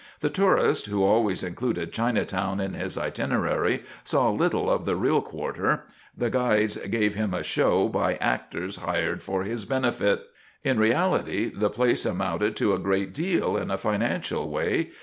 The tourist, who always included Chinatown in his itinerary, saw little of the real quarter. The guides gave him a show by actors hired for his benefit. In reality the place amounted to a great deal in a financial way.